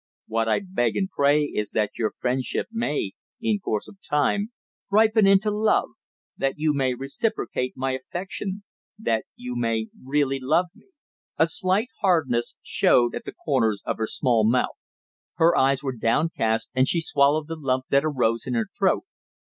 What I beg and pray is that your friendship may, in course of time, ripen into love that you may reciprocate my affection that you may really love me!" A slight hardness showed at the corners of her small mouth. Her eyes were downcast, and she swallowed the lump that arose in her throat.